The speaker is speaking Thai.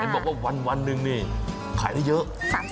เห็นบอกว่าวันนึงนี่ขายได้เยอะ